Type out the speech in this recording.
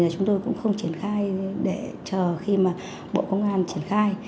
chúng tôi cũng không triển khai để chờ khi mà bộ công an triển khai